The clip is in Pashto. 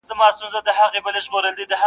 په هغه شپه له پاچا سره واده سوه-